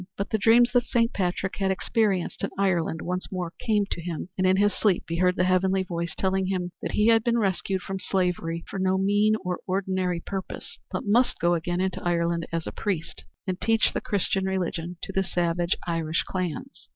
But the dreams that Saint Patrick had experienced in Ireland once more came to him, and in his sleep he heard the Heavenly voice telling him that he had been rescued from slavery for no mean or ordinary purpose, but must go again into Ireland as a priest, and teach the Christian religion to the savage Irish clans.